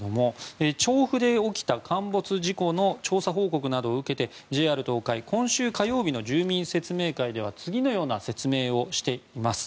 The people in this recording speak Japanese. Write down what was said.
調布で起きた陥没事故の調査報告などを受けてＪＲ東海今週火曜日の住民説明会では次のような説明をしています。